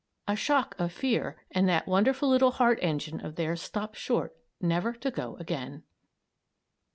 A shock of fear and that wonderful little heart engine of theirs stops short never to go again.